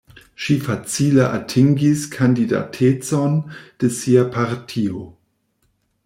Ŝi facile atingis kandidatecon de sia partio.